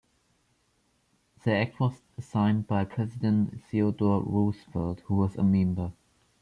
The act was signed by President Theodore Roosevelt, who was a member.